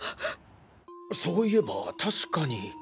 そういえば確かに。